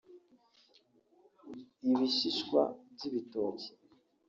ibishishwa by’ibitoki